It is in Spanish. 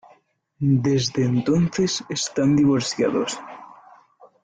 Desde entonces están divorciados.